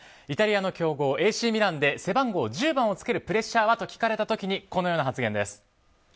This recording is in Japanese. イタリアの強豪ＡＣミランで背番号１０番をつけるプレッシャーは？と聞かれた時にこのような発言です。